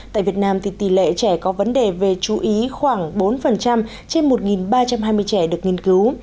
tại việt nam tỷ lệ trẻ có vấn đề về chú ý khoảng bốn trên một ba trăm hai mươi trẻ được nghiên cứu